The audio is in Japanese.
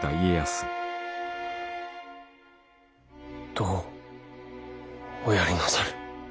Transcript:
どうおやりなさる。